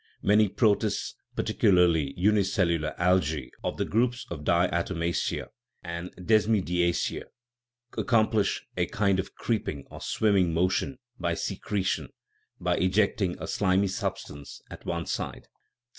Many protists, particularly unicellular algae of the groups of diatomacea and desmidiacea, accomplish a kind of creeping or swimming motion by secretion, by ejecting a slimy substance at one side.